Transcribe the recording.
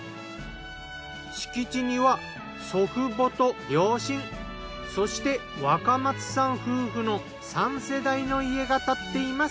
敷地には祖父母と両親そして若松さん夫婦の３世代の家が建っています。